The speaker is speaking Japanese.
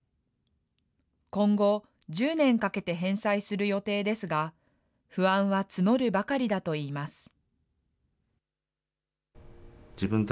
今後、１０年かけて返済する予定ですが、不安は募るばかりだといいます。